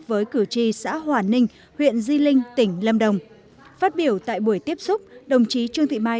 với cử tri xã hòa ninh huyện di linh tỉnh lâm đồng phát biểu tại buổi tiếp xúc đồng chí trương thị mai